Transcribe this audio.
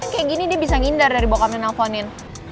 kayak gini dia bisa ngindar dari bau kami nelfonin